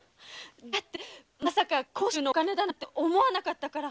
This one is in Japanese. だってまさか甲州のお金だなんて思わなかったから。